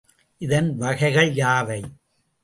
இதன் வகைகள் யாவை?